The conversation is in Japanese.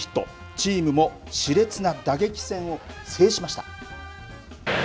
チームもしれつな打撃戦を制しました。